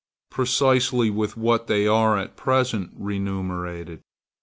Precisely with what they are at present remunerated.